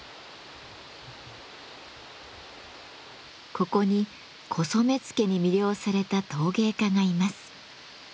ここに古染付に魅了された陶芸家がいます。